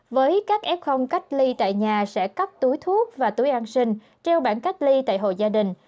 với các f cách ly tại nhà sẽ cấp túi thuốc và túi an sinh treo bản cách ly tại hội gia đình